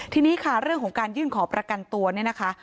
ทีนี้ค่ะเรื่องของการยื่นขอประกันตัวเนี่ยนะคะ